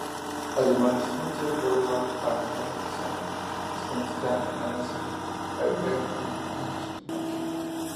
Además, Sunset Boulevard, "A Soldier’s Tale" con Sting, Vanessa Redgrave y Ian McKellen.